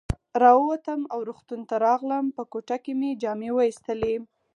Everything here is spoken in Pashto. را ووتم او روغتون ته راغلم، په کوټه کې مې جامې وایستلې.